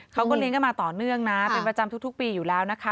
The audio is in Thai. เขาก็เลี้ยงกันมาต่อเนื่องนะเป็นประจำทุกปีอยู่แล้วนะคะ